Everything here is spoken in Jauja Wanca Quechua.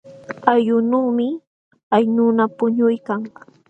Allqunuumi hay nuna puñuykan.